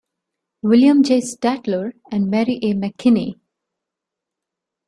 William J. Statler and Mary A. McKinney.